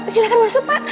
silahkan masuk pak